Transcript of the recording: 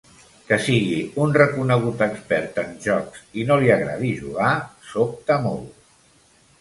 Que sigui un reconegut expert en jocs i no li agradi jugar sobta molt.